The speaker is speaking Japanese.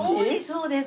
そうです。